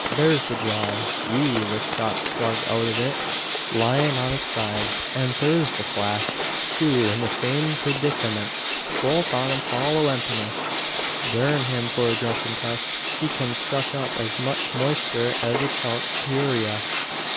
Thur's the jar, wi' the stop plug out o' it, lyin' on its side; an thur's the flask, too, in the same preedikamint both on 'em fall o' empiness. Durn him for a drunken cuss! He kin suck up as much moister as a chalk purayra.